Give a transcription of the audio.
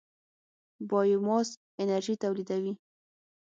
بایوماس انرژي تولیدوي.